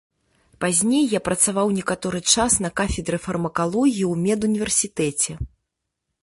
Пазней я працаваў некаторы час на кафедры фармакалогіі ў медуніверсітэце.